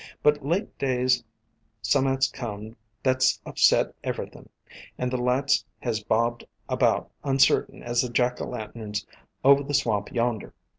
But late days som'at 's come that 's upset everythin', and the lights has bobbed about uncertain as the Jack o' Lanterns over the swamp yonder.